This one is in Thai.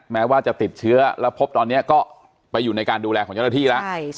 แม้ว่าจะติดเชื้อแล้วพบตอนนี้ก็ไปอยู่ในการดูแลของเจ้าหน้าที่แล้ว